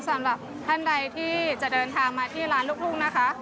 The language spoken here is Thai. สำหรับท่านใดที่จะเดินทางมาที่ร้านลูกทุ่งนะคะ